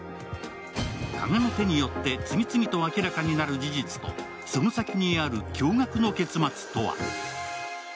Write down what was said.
加賀の手によって次々と明らかになる事実と、その先にある驚がくの結末とは？